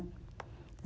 dầu hạt tầm xuân